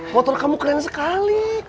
motor kamu keren sekali